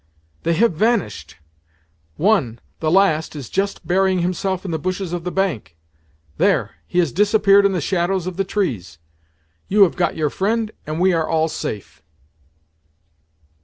"They have vanished! One the last is just burying himself in the bushes of the bank There, he has disappeared in the shadows of the trees! You have got your friend, and we are all safe!"